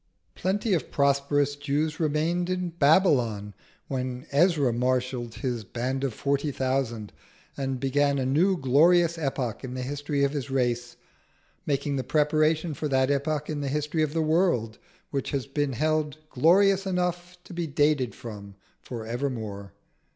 Plenty of prosperous Jews remained in Babylon when Ezra marshalled his band of forty thousand and began a new glorious epoch in the history of his race, making the preparation for that epoch in the history of the world which has been held glorious enough to be dated from for evermore.